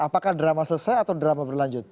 apakah drama selesai atau drama berlanjut